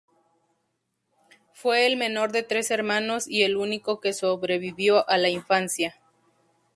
Fue el menor de tres hermanos y el único que sobrevivió a la infancia.